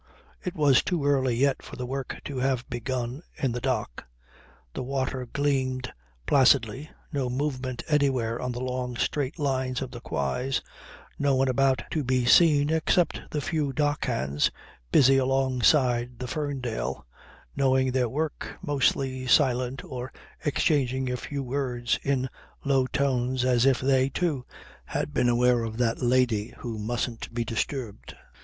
It was too early yet for the work to have begun in the dock. The water gleamed placidly, no movement anywhere on the long straight lines of the quays, no one about to be seen except the few dock hands busy alongside the Ferndale, knowing their work, mostly silent or exchanging a few words in low tones as if they, too, had been aware of that lady 'who mustn't be disturbed.'